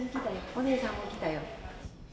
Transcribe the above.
おねえさんも来たよ。